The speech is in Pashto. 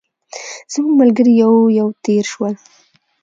زموږ ملګري یو یو تېر شول.